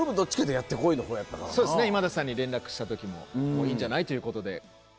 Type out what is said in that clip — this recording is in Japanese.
そうですね今田さんに連絡した時も「いいんじゃない」ということで。